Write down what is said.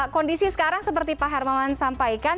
kondisi sekarang seperti pak hermawan sampaikan